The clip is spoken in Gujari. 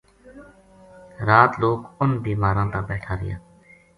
رات لوک اُنھ بیماراں تا بیٹھا رہیا